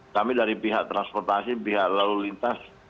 kami dari pihak transportasi pihak lalu lintas